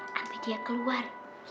sampai dia keluar